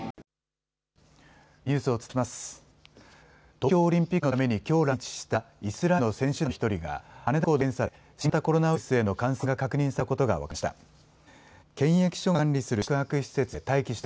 東京オリンピックのためにきょう来日したイスラエルの選手団の１人が羽田空港の検査で新型コロナウイルスへの感染が確認されたことが分かりました。